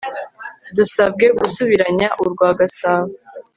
dusabwe gusubiranya urwagasabo